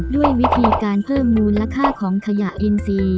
ด้วยวิธีการเพิ่มมูลค่าของขยะอินซี